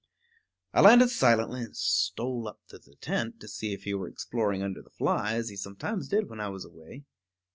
I landed silently and stole up to the tent to see if he were exploring under the fly, as he sometimes did when I was away.